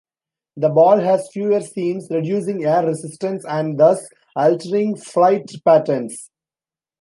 The ball has fewer seams, reducing air resistance and thus altering flight patterns.